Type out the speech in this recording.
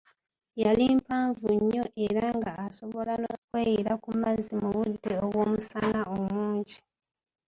Yali mpanvu nnyo era nga asobola n'okweyiira ku mazzi mu budde obw'omusana omungi.